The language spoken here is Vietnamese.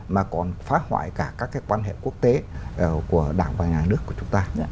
mà còn phá hoại cả các cái quan hệ quốc tế của đảng và nhà nước của chúng ta